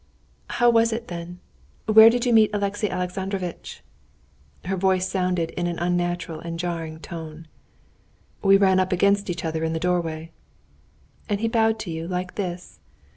"How was it, then? Where did you meet Alexey Alexandrovitch?" Her voice sounded in an unnatural and jarring tone. "We ran up against each other in the doorway." "And he bowed to you like this?"